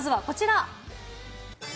まずはこちら。